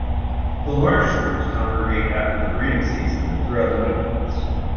The largest groups congregate after the breeding season and throughout the winter months.